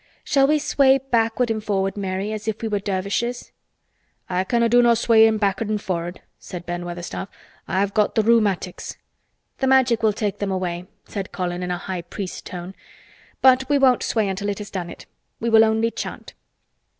"Shall we sway backward and forward, Mary, as if we were dervishes?" "I canna' do no swayin' back'ard and for'ard," said Ben Weatherstaff. "I've got th' rheumatics." "The Magic will take them away," said Colin in a High Priest tone, "but we won't sway until it has done it. We will only chant."